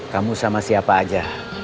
kamu sama siapa aja